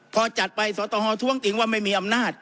พอจัดไปสตฮ้วงติงว่าไม่มีอำนาจ